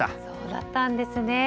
そうだったんですね。